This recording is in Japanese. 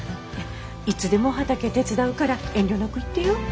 いつでも畑手伝うから遠慮なく言ってよ。